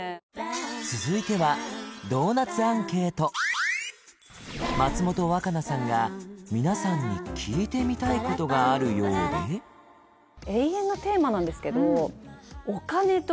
続いては松本若菜さんが皆さんに聞いてみたいことがあるようでですか？